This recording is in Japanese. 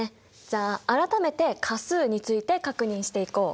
じゃあ改めて価数について確認していこう。